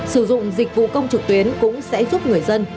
sử dụng dịch vụ công trực tuyến cũng sẽ giúp người dân